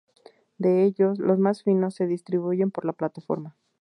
De ellos, los más finos se distribuyen por la plataforma.